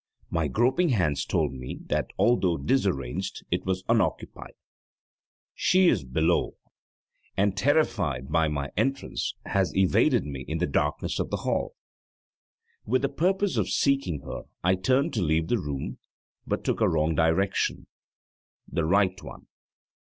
My groping hands told me that although disarranged it was unoccupied. 'She is below,' I thought, 'and terrified by my entrance has evaded me in the darkness of the hall.' With the purpose of seeking her I turned to leave the room, but took a wrong direction the right one!